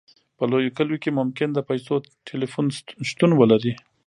په لویو کلیو کې ممکن د پیسو ټیلیفون شتون ولري